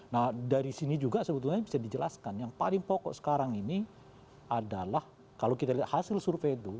nah dari sini juga sebetulnya bisa dijelaskan yang paling pokok sekarang ini adalah kalau kita lihat hasil survei itu